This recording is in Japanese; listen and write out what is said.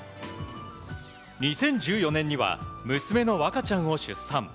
２０１４年には娘の和香ちゃんを出産。